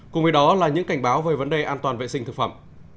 cùng với đó là những cảnh báo về vấn đề an toàn vệ sinh thực phẩm